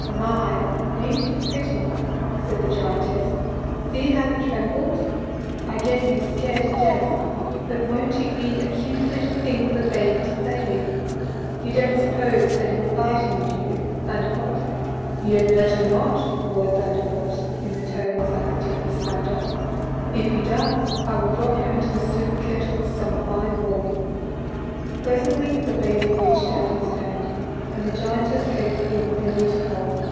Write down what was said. "My, ain't he pretty?" said the giantess; " see how he trembles. I guess he is scared to death. But won't he be a cute little thing for the baby to play with? You don't suppose that he would bite him, do you, Thunderbolt? "" He had better not," roared Thunderbolt, in tones like the deepest thunder; " if he does, I will drop him into the soup kettle some fine BILLY WILSON'S BOX TRAP. 71 Presently the baby reached out his hand, and the giantess gave him Billy to hold.